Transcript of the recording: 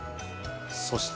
そして。